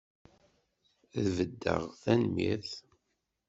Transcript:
Ad beddeɣ, tanemmirt!